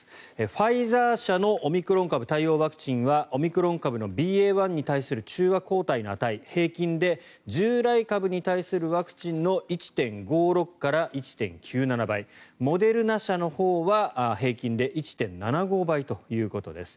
ファイザー社のオミクロン株対応ワクチンはオミクロン株のＢＡ．１に対する中和抗体の値平均で従来株に対するワクチンの１．５６から１．９７倍モデルナ社のほうは平均で１．７５倍ということです。